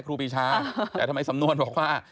ครูปีชาแต่ทำไมสำนวนบอกว่า